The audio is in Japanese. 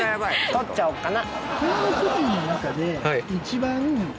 ［取っちゃおっかな］